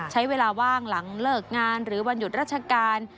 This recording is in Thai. ใช้เวลาว่างหลังเลิกงานหรือวันหยุดราชการ